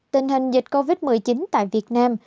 tình hình dịch covid một mươi chín tại việt nam